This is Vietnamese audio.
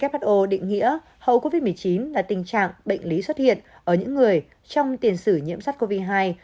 who định nghĩa hậu covid một mươi chín là tình trạng bệnh lý xuất hiện ở những người trong tiền sử nhiễm sars cov hai